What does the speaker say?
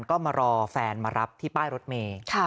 ก็มารอแฟนมารับที่ป้ายรถเมย์